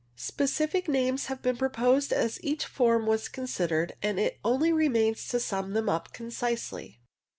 Specific names have been proposed as each form was considered, and it only remains to sum them up concisely.